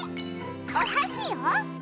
おはしよ！